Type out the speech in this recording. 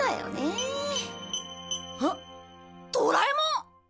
あっドラえもん！